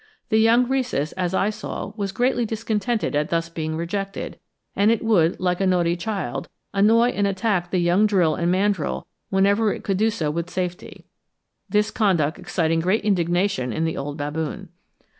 The young Rhesus, as I saw, was greatly discontented at being thus rejected, and it would, like a naughty child, annoy and attack the young drill and mandrill whenever it could do so with safety; this conduct exciting great indignation in the old baboon.